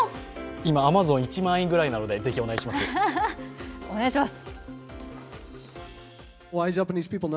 今、アマゾン１万位ぐらいなのでぜひお願いします。